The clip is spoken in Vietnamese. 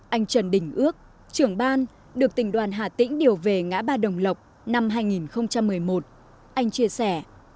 anh trần đình ước trưởng ban được tỉnh đoàn hà tĩnh điều về ngã ba đồng lộc năm hai nghìn một mươi một anh chia sẻ